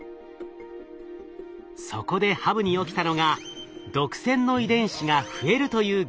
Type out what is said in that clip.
そこでハブに起きたのが毒腺の遺伝子が増えるという現象。